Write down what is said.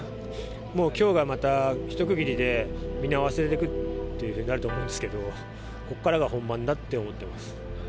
もうきょうがまた一区切りで、みんな忘れていくっていうふうになると思うんですけど、ここからが本番だって思ってます。